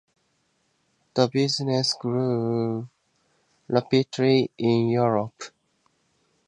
The business grew rapidly in Europe.